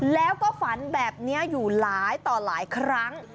แล้วก็ฝันแบบนี้อยู่หลายต่อหลายครั้ง